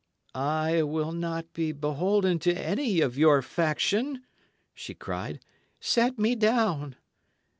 "I will not be beholden to any of your faction," she cried; "set me down."